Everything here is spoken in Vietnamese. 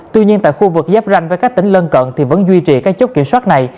tuy nhiên tại khu vực giáp ranh với các tỉnh lân cận thì vẫn duy trì các chốt kiểm soát này